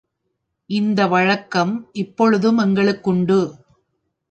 இந்த வழக்கம் இப்பொழுதும் எங்களுக்குண்டு.